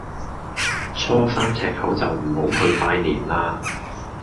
初三赤口就唔好去拜年啦